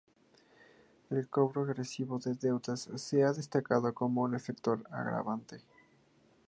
El cobro agresivo de deudas se ha destacado como un factor agravante.